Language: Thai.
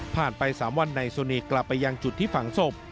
ไป๓วันนายโซเนกกลับไปยังจุดที่ฝังศพ